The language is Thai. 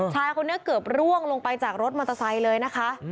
ชายคนนี้เกือบร่วงลงไปจากรถมอเตอร์ไซค์เลยนะคะ